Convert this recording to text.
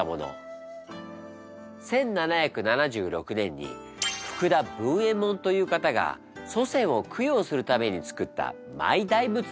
１７７６年に福田文右衛門という方が祖先を供養するためにつくったマイ大仏なの。